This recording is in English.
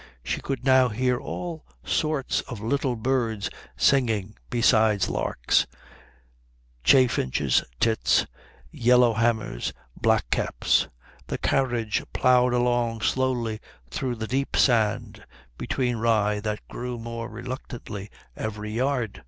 She could now hear all sorts of little birds singing besides larks chaffinches, tits, yellow hammers, black caps. The carriage ploughed along slowly through the deep sand between rye that grew more reluctantly every yard.